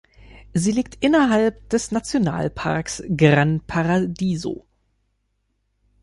Sie liegt innerhalb des Nationalparks Gran Paradiso.